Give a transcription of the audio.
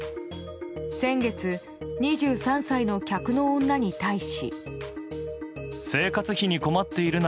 先月、２３歳の客の女に対し。